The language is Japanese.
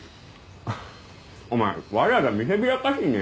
お前わざわざ見せびらかしに？